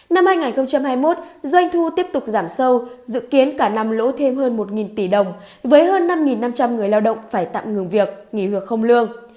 năm hai nghìn hai mươi một doanh thu tiếp tục giảm sâu dự kiến cả năm lỗ thêm hơn một tỷ đồng với hơn năm năm trăm linh người lao động phải tạm ngừng việc nghỉ hoặc không lương